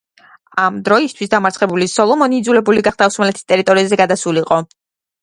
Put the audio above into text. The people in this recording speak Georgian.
ამ დროისთვის დამარცხებული სოლომონი იძულებული გახდა ოსმალეთის ტერიტორიაზე გადასულიყო.